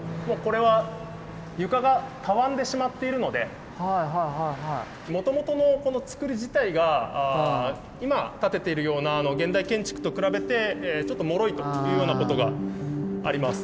もうこれはもともとのこの造り自体が今建ててるような現代建築と比べてちょっともろいというようなことがあります。